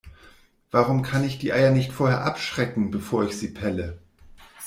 Warum kann ich die Eier nicht vorher abschrecken, bevor ich sie pelle?